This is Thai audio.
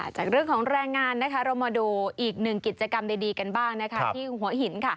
จากเรื่องของแรงงานเรามาดูอีกหนึ่งกิจกรรมดีกันบ้างที่หัวหิน